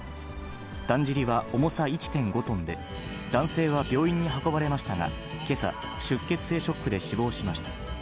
だんじりは重さ１．５トンで、男性は病院に運ばれましたが、けさ、出血性ショックで死亡しました。